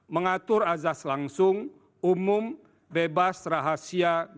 mengatur azas langsung umum bebas rahasia